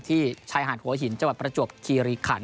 ที่ชายหาดหัวหินจังหวัดประจวบคีรีขัน